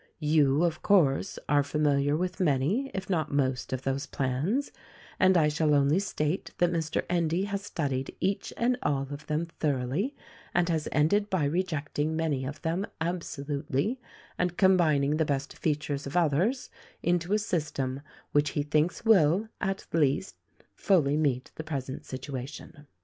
"You, of course, are familiar with many if not most of those plans ; and I shall only state that Mr. Endy has studied each and all of them thoroughly and has ended by rejecting many of them absolutely and combining the best features of others into a system which he thinks will, at least, fully meet the present situation."